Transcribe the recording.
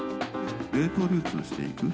冷凍流通していく。